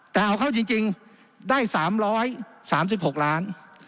แต่เอาเข้าจริงได้๓๓๖ล้าน